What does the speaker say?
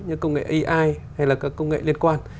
như công nghệ ai hay là các công nghệ liên quan